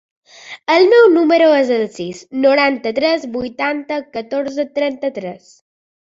El meu número es el sis, noranta-tres, vuitanta, catorze, trenta-tres.